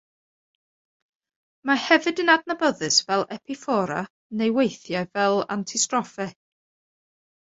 Mae hefyd yn adnabyddus fel epiffora neu weithiau fel antistroffe.